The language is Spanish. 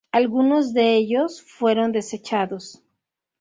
Algunos de ellos fueron desechados.